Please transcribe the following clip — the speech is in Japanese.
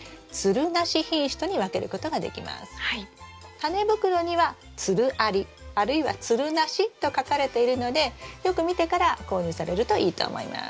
タネ袋には「つるあり」あるいは「つるなし」と書かれているのでよく見てから購入されるといいと思います。